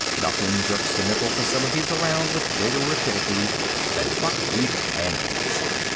Nothing jerks the mental faculties around with greater rapidity than buckwheat pancakes.